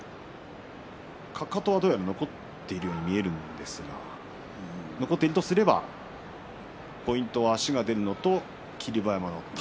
かかとはどうやら残っているように見えるんですが残っているとすればポイントは足が出るのと霧馬山の体。